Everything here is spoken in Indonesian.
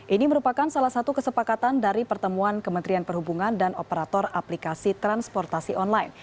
ini merupakan salah satu kesepakatan dari pertemuan kementerian perhubungan dan operator aplikasi transportasi online